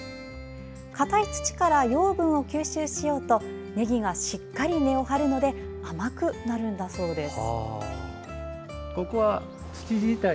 硬い土から養分を吸収しようとねぎがしっかり根を張るので甘くなるのだそうです。